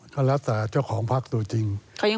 ก็แล้วแต่เจ้าของพักตัวจริง